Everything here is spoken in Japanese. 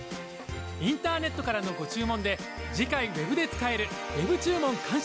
インターネットからのご注文で次回ウェブで使えるウェブ注文感謝